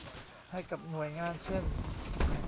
ให้กับหน่วยงานเช่น